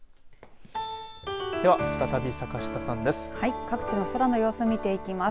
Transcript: では、再び坂下さんです。